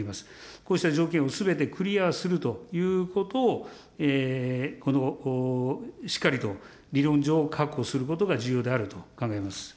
こうした条件をすべてクリアするということを、しっかりと理論上、確保することが重要であると考えます。